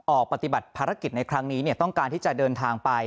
ปฏิบัติภารกิจในครั้งนี้ต้องการที่จะเดินทางไป